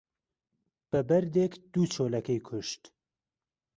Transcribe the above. بە بەردێک دوو چۆلەکەی کوشت